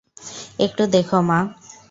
একটু দেখো, মা।